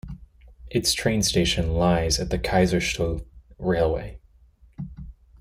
Its train station lies at the Kaiserstuhl Railway.